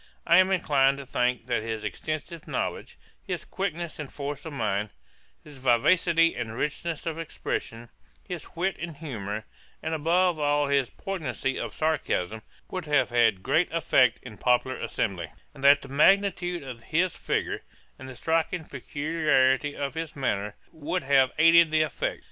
I am inclined to think that his extensive knowledge, his quickness and force of mind, his vivacity and richness of expression, his wit and humour, and above all his poignancy of sarcasm, would have had great effect in a popular assembly; and that the magnitude of his figure, and striking peculiarity of his manner, would have aided the effect.